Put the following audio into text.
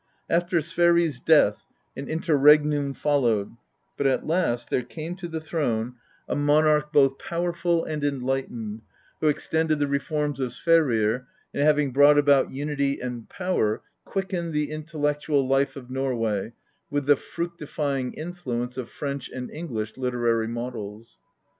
After Sverrir's death, an interreg num followed; but at last there came to the throne a mon X INTRODUCTION arch both powerful and enlightened, who extended the re forms of Sverrir, and having brought about unity and peace, quickened the intellectual life of Norway with the fructify ing influence of French and English literary models.